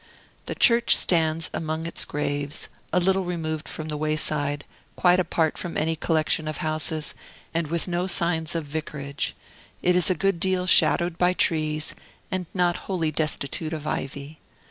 The church stands among its graves, a little removed from the wayside, quite apart from any collection of houses, and with no signs of vicarage; it is a good deal shadowed by trees, and not wholly destitute of ivy.